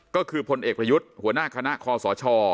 ก็คือพลเอกประยุทธ์หัวหน้าคณะคอสช